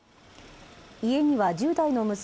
家には１０代の娘